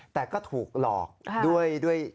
แต่ก็ถูกหลอกด้วย